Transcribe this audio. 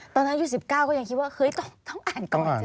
ตอนนั้นอยู่๑๙ก็ยังคิดว่าต้องอ่านก่อนใช่ไหม